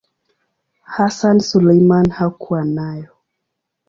Hassan Suleiman hakuwa nayo.